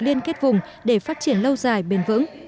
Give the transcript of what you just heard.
liên kết vùng để phát triển lâu dài bền vững